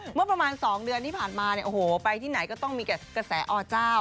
เมื่อประมาณ๒เดือนที่ผ่านมาเนี่ยโอ้โหไปที่ไหนก็ต้องมีกระแสอเจ้า